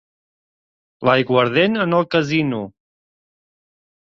L'aiguardent, en el casino.